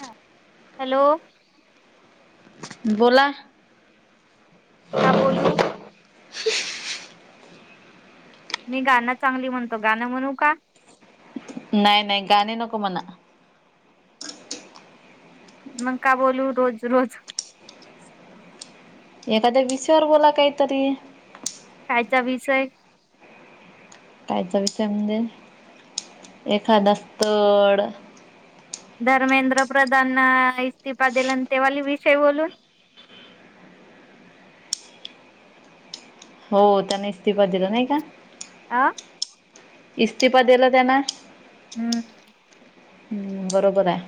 हा हॅलो. बोला. हा बोलू. मी गाणं चांगली म्हणती, गाणं म्हणू का? नाही नाही गाणी नको म्हणा. मग का बोलू रोज रोज? एखाद्या विषयवर बोला काहीतरी. कायचा विषय? कायचा विषय म्हणजे? एखादा स्थड धर्मेंद्र प्रधान इस्तिफा दिला आणि तेवाले विषय बोलू? हो त्याने इस्तिफा दिला नाही का. आं? इस्तीफा दिला त्यानं हम्म. हम्म बरोबर आहे.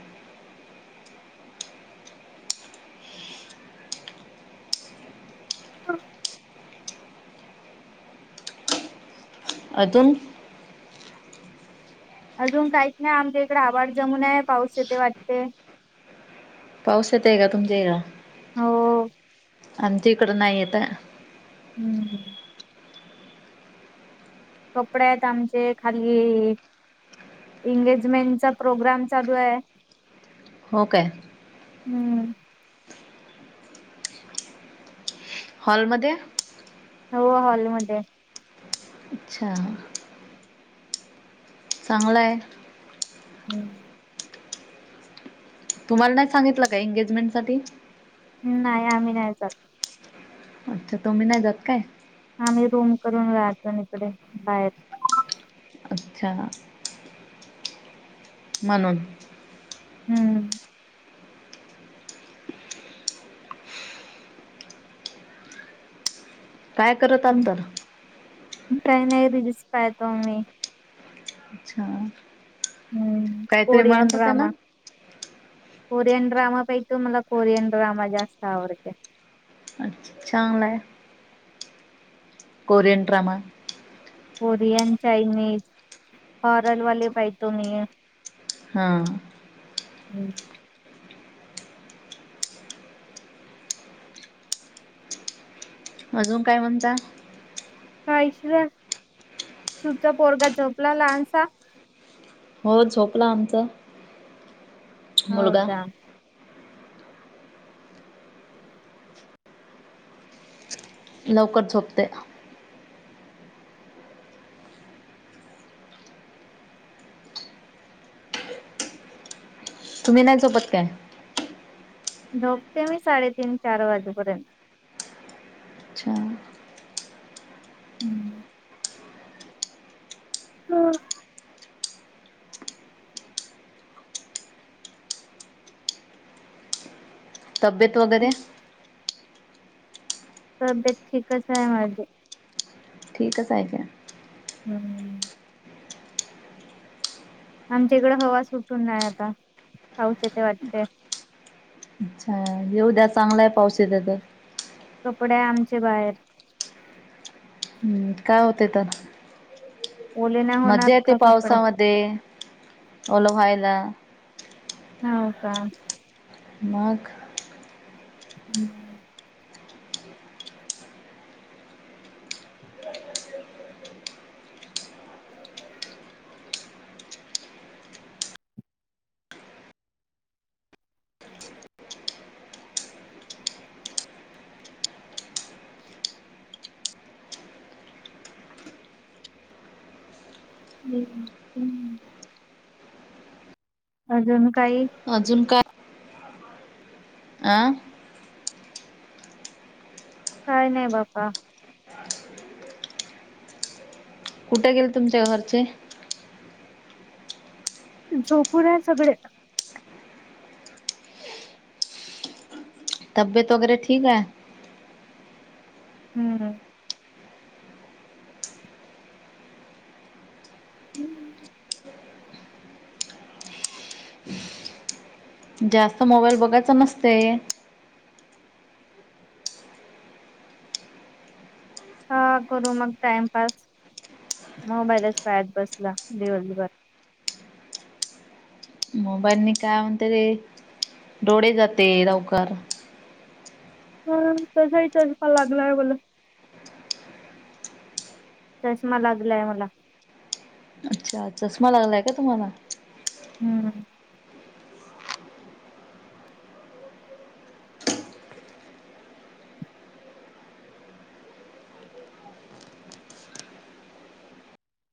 अजून? अजून काहीच नाही. आमच्या इकडे आभड जमून आहे पाऊस येते वाटते. पाऊस येतंय का तुमच्या इकडं? हो. आमच्या इकडं नाही येत. हम्म हम्म. कपडे आहेत आमचे खाली एंगेजमेंटचा प्रोग्राम चालू आहे. हो काय? हम्म. हॉलमध्ये? हो हॉलमध्ये आहे. अच्छा. चांगलं हाय. हम्म. तुम्हाला नाही सांगितलं का एंगेजमेंटसाठी नाही आम्ही नाही जात. अच्छा तुम्ही नाही जात काय? आाम्ही रूम करून राहतो इकडे बाहेर, अच्छा! म्हनून. हम्म हम्म काय करत आहात. काही नाही रिजिस पाहतो नाही. अच्छा! हा काहीतरी कोरियन म्हणत होते ना ड्रामा. कोरियन ड्रामा पाहितो, मला कोरियन ड्रामा जास्त आवडतो. छान आहे. Korean drama. Korean, Chinese, horror वाले बाई तुम्ही. हां बरल [inaudible] अजून काय म्हणताय. [inaudible] हो झोपला आमचा मुलगा. हो का लवकर झोपते. तुम्ही नाही झोपत का? झोपते मी साडेतीन चार वाजेपर्यंत, अच्छा! हम्म हम्म हा तब्येत वगैरे तब्येत ठीकच हाय माझी. ठीकच हाय ना. हम्म आमच्या इकडं हवा सुटून नाही आता पाऊस येते वाटते. अच्छा येऊद्या चांगलंय पावस येत तर. कपडे आमचे बाहेर. काय होते तर, ओले नाही होणार मज्जा येते का कपडे पावसामध्ये ओलं ह्वायला. हाव का मग हम्म हम् हम्म अजून काही. अजून काय. आं.. काय नाही बापा. कुठे गेल तुमच्या घरचे? झोपूनय सगळे जन. तबीयेत वगैरे ठीक आहे. हम्म. हम्म. जास्त मोबाईल बघायचा नसतेय. हा करू मग टाइमपास मोबाईलच पायात बसला दिवसभर. मोबाईलनी काय म्हणते डोळे जाते लवकर. हा तसाही चेष्मा लागलाय मला. चष्मा लागलाय मला. अच्छा चष्मा लागलाय का तुम्हाला. हम्म.